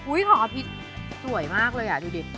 ของอภิษสวยมากเลยอ่ะดูดิ